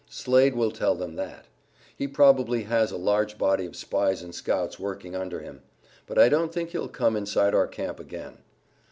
"Slade will tell them that. He probably has a large body of spies and scouts working under him. But I don't think he'll come inside our camp again."